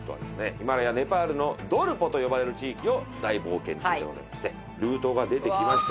ヒマラヤ・ネパールのドルポと呼ばれる地域を大冒険中でございましてルートが出てきました。